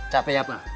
capek ya pak